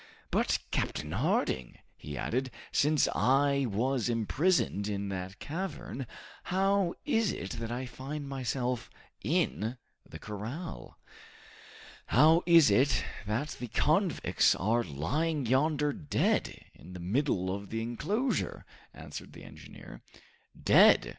"But, Captain Harding," he added, "since I was imprisoned in that cavern, how is it that I find myself in the corral?" "How is it that the convicts are lying yonder dead, in the middle of the enclosure?" answered the engineer. "Dead!"